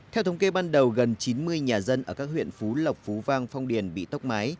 theo thống kê ban đầu gần chín mươi nhà dân ở các huyện phú lộc phú vang phong điền bị tốc mái